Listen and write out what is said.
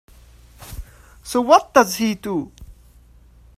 So what does he do?